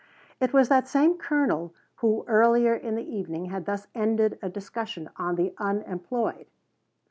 It was that same colonel who, earlier in the evening, had thus ended a discussion on the unemployed.